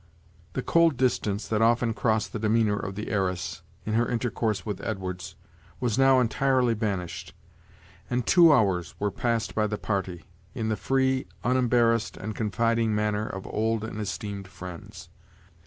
The cold distance that often crossed the demeanor of the heiress, in her intercourse with Edwards, was now entirely banished, and two hours were passed by the party, in the free, unembarrassed, and confiding manner of old and esteemed friends.